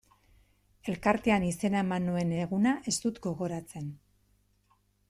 Elkartean izena eman nuen eguna ez dut gogoratzen.